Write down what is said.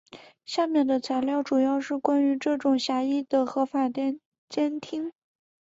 下面的材料主要是关于这种狭义的合法监听。